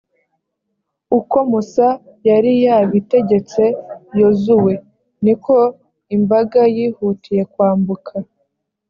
uko musa yari yarabitegetse yozuwe. niko imbaga yihutiye kwambuka.